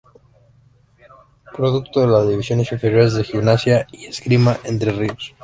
Producto de las divisiones inferiores de Gimnasia y Esgrima de Entre Ríos.